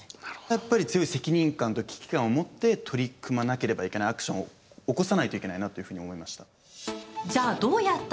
やっぱり強い責任感と危機感を持って取り組まなければいけないアクションを起こさないといけないなというふうに思いました。